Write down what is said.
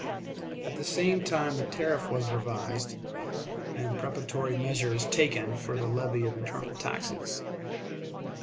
At the same time the tariff was revised, and preparatory measures taken for the levy of internal taxes.